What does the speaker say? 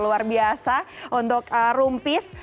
luar biasa untuk room peace